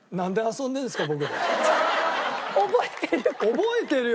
覚えてるよ！